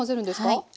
はい。